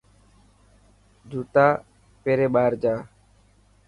جوتا پيري ٻاهر جا.